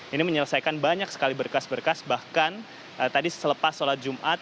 ini menyelesaikan banyak sekali berkas berkas bahkan tadi selepas sholat jumat